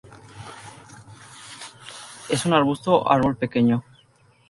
Es un arbusto o árbol pequeño.